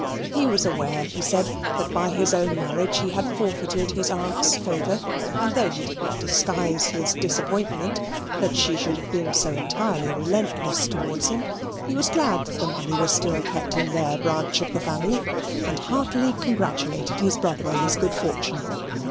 He was aware, he said, that by his own marriage he had forfeited his aunt's favour; and though he did not disguise his disappointment that she should have been so entirely relentless towards him, he was glad that the money was still kept in their branch of the family, and heartily congratulated his brother on his good fortune.